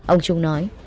ông trung nói